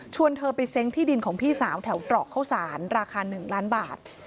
เธอไปเซ้งที่ดินของพี่สาวแถวตรอกเข้าสารราคา๑ล้านบาท